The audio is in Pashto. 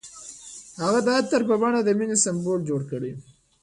هغه د عطر په بڼه د مینې سمبول جوړ کړ.